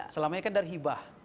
selama ini kan dari hibah